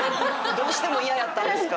どうしても嫌やったんですか？